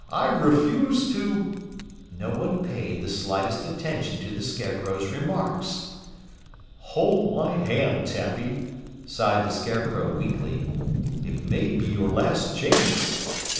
I refuse to " No one paid the slightest attention to the Scarecrow's remarks. "Hold my hand, Tappy," sighed the Scarecrow weakly. "It may be your last chance."